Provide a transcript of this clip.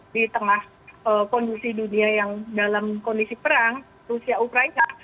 di tengah kondisi dunia yang dalam kondisi perang rusia ukraina